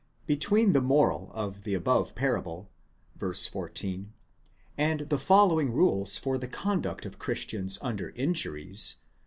Between the moral of the above parable (v. 14) and the following rules for the conduct of Christians under injuries (v.